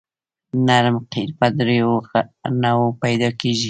نرم قیر په دریو نوعو پیدا کیږي